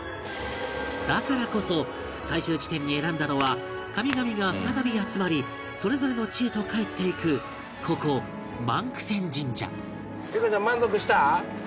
だからこそ最終地点に選んだのは神々が再び集まりそれぞれの地へと帰っていくここ万九千神社